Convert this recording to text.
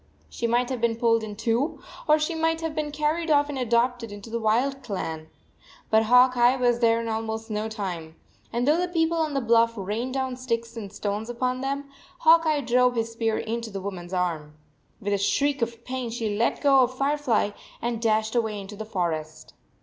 She might have been pulled in two, or she might have been car ried off and adopted into the wild clan. But Hawk Eye was there in almost no time, and though the people on the bluff rained down sticks and stones upon them, Hawk Eye drove his spear into the woman s arm. With a shriek of pain she let go of Firefly and dashed away into the forest.